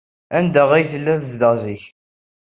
Anda ay tella tezdeɣ zik?